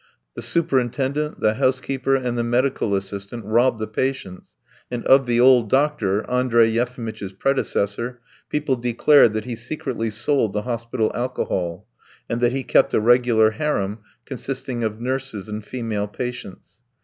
The superintendent, the housekeeper, and the medical assistant robbed the patients, and of the old doctor, Andrey Yefimitch's predecessor, people declared that he secretly sold the hospital alcohol, and that he kept a regular harem consisting of nurses and female patients.